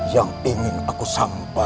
yang ingin aku sampaikan